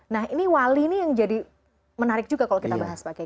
nah ini wali ini yang jadi menarik juga kalau kita bahas pak kiai